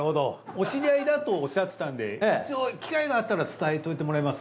お知り合いだとおっしゃってたんで一応機会があったら伝えといてもらえます？